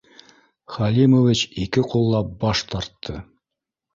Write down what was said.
Халимович ике ҡуллап баш тартты: